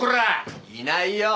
いないよ！